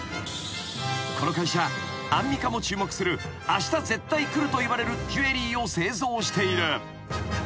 ［この会社アンミカも注目するあした絶対来るといわれるジュエリーを製造している］